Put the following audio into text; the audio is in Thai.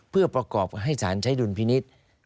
เพื่อประกอบให้สารใช้ดุลพินิษฐ์